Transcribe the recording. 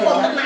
kok akut ya